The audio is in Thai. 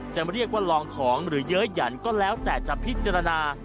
จะเรียกว่าลองของหรือเยอะหยันก็แล้วแต่จะพิจารณา